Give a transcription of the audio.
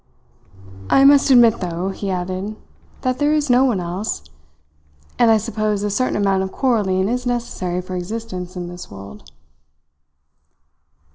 "I must admit, though," he added, "that there is no one else; and I suppose a certain amount of quarrelling is necessary for existence in this world."